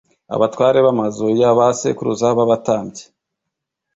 abatware b’amazu ya ba sekuruza b’abatambyi